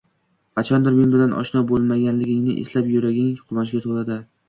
qachondir men bilan oshno bo‘lganingni eslab, yuraging quvonchga to‘ladi.